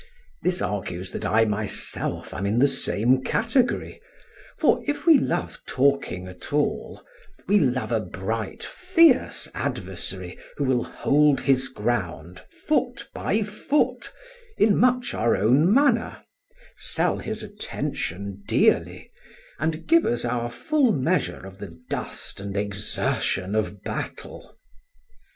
This argues that I myself am in the same category; for if we love talking at all, we love a bright, fierce adversary, who will hold his ground, foot by foot, in much our own manner, sell his attention dearly, and give us our full measure of the dust and exertion of battle.